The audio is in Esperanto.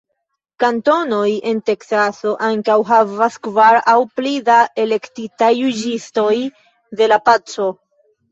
Kantonoj en Teksaso ankaŭ havas kvar aŭ pli da elektitaj Juĝistoj de la Paco.